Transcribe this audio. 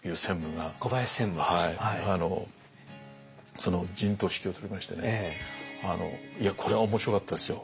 その陣頭指揮を執りましてねいやこれは面白かったですよ。